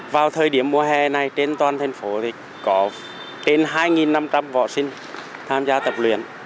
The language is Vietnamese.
vào thời điểm mùa hè này trên toàn thành phố có trên hai năm trăm linh võ sinh tham gia tập luyện